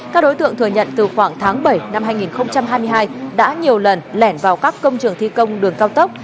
các đối tượng thừa nhận từ khoảng tháng bảy năm hai nghìn hai mươi hai đã nhiều lần lẻn vào các công trường thi công đường cao tốc